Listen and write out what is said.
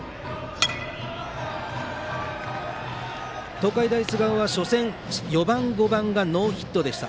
東海大菅生は初戦４番、５番がノーヒットでした。